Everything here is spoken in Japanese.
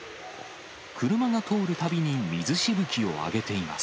車が通るたびに水しぶきを上げています。